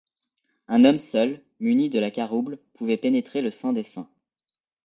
Un homme seul, muni de la carouble, pouvait pénétrer le saint des saints.